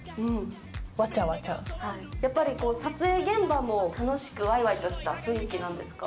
やっぱりこう、撮影現場も楽しくわいわいとした雰囲気なんですか。